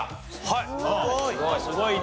はい。